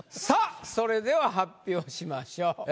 さあそれでは発表しましょう。